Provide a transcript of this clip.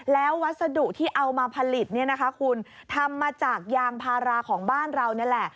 แล้ววัสดุที่เอามาผลิตคุณทำมาจากยางพาราของบ้านเรา